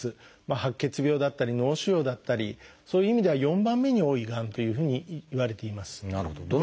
白血病だったり脳腫瘍だったりそういう意味では４番目に多いがんというふうにいわれています。